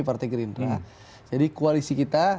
partai gerindra jadi koalisi kita